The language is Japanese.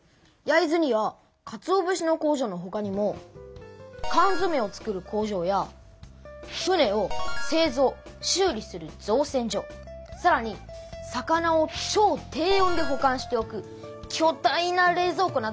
焼津にはかつお節の工場のほかにも缶詰を作る工場や船をせいぞうしゅう理する造船所さらに魚をちょう低温でほ管しておくきょ大な冷蔵庫などもあるんです。